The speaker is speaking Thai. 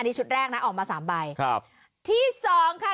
นี่ชุดแรกนะออกมาสามใบครับที่สองค่ะ